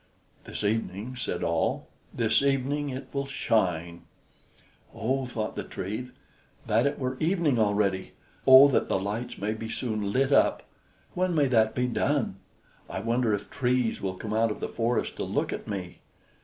"This evening," said all, "this evening it will shine." "Oh," thought the Tree, "that it were evening already! Oh, that the lights may be soon lit up! When may that be done? I wonder if trees will come out of the forest to look at me?